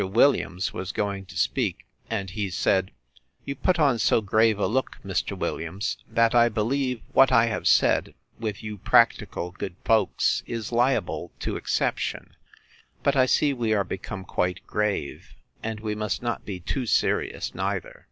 Williams was going to speak: and he said, You put on so grave a look, Mr. Williams, that, I believe, what I have said, with you practical good folks, is liable to exception: but I see we are become quite grave; and we must not be too serious neither.